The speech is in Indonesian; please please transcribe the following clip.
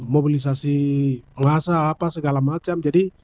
mobilisasi masa apa segala macam jadi